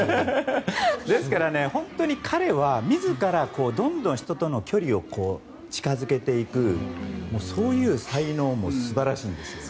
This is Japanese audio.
ですから彼は自ら、どんどん人との距離を近付けていくそういう才能も素晴らしいんですよね。